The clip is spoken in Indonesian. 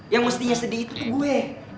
yang mestinya sedih itu tuh gue